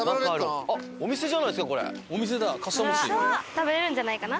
食べられるんじゃないかな？